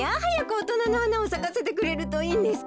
おとなのはなをさかせてくれるといいんですけど。